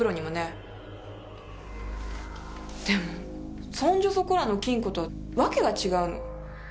でもそんじょそこらの金庫とはわけが違うの。